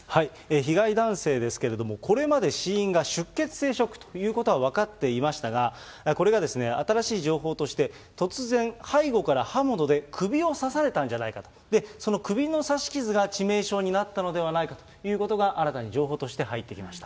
被害男性ですけれども、これまで死因が出血性ショックということは分かっていましたが、これが新しい情報として、突然、背後から刃物で首を刺されたんじゃないかと、その首の刺し傷が致命傷になったのではないかということが新たに情報として入ってきました。